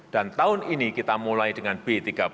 dan tahun ini kita mulai dengan b tiga puluh